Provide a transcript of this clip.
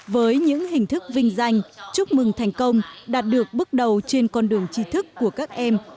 với những hình thức vinh danh chúc mừng thành công đạt được bước đầu trên con đường chi thức của các em